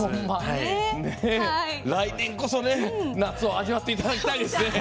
来年こそ夏を味わっていただきたいです。